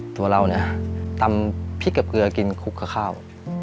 ตัวเราเนี่ยตำพริกกับเกลือกินคลุกกับข้าว